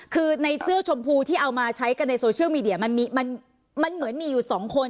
คือในเสื้อชมพูที่เอามาใช้กันในโซเชียลมีเดียมันเหมือนมีอยู่สองคน